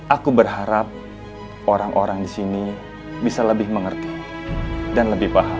aku berharap orang orang di sini bisa lebih mengerti dan lebih paham